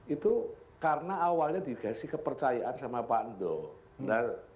itu karena awalnya dikasih kepercayaan sama pak endor